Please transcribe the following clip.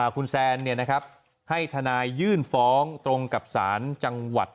คุณแซนให้ทนายยื่นฟ้องตรงกับสารจังหวัด